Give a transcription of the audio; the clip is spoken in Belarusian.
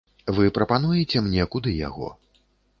Вы прапануеце мне куды яго?